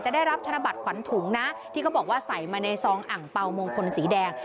ได้รับธนบัตรขวัญถุงนะที่เขาบอกว่าใส่มาในซองอ่างเปล่ามงคลสีแดง